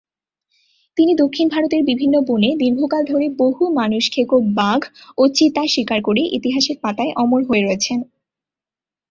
তিনি দক্ষিণ ভারতের বিভিন্ন বনে দীর্ঘকাল ধরে বহু মানুষখেকো বাঘ ও চিতা শিকার করে ইতিহাসের পাতায় অমর হয়ে রয়েছেন।